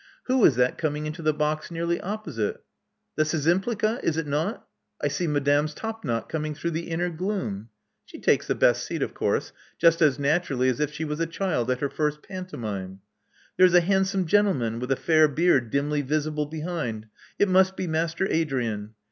Who is that coming into the box nearly opposite? The Szczympliga, is it not? I see Madame's topknot coming through the inner gloom. She takes the best seat, of course, just as naturally as if she was a child at her first pantomime. There's a handsome gentleman with a fair beard dimly visible behind. It must be Master Adrian.